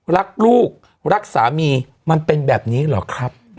รักลูกรักสามีมันเป็นแบบนี้เหรอครับ